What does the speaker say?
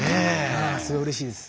すごいうれしいです。